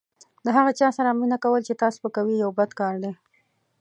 د هغه چا سره مینه کول چې تا سپکوي یو بد کار دی.